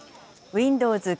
ウィンドウズ